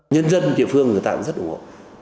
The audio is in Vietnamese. nhân dân địa phương người ta cũng rất ủng hộ